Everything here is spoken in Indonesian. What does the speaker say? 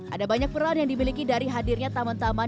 ada banyak peran yang dimiliki dari hadirnya taman taman